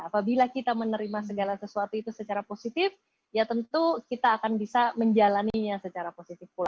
apabila kita menerima segala sesuatu itu secara positif ya tentu kita akan bisa menjalannya secara positif pula